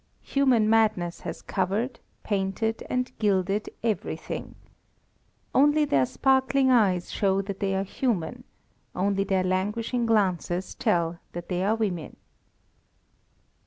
Human madness has covered, painted, and gilded everything. Only their sparkling eyes show that they are human; only their languishing glances tell that they are women.